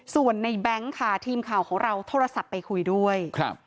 ส่วนในแบงค์ค่ะทีมข่าวของเราโทรศัพท์ไปคุยด้วยครับ